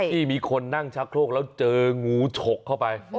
ที่มีคนนั่งชักโครกแล้วเจองูฉกเข้าไป